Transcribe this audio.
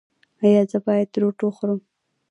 ایا زه باید روټ وخورم؟